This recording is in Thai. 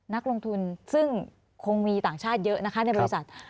นักลงทุนซึ่งคงมีต่างชาติเยอะนะคะในบริษัท